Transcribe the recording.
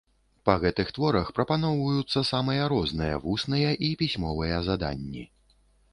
Па гэтых творах прапаноўваюцца самыя розныя вусныя і пісьмовыя заданні.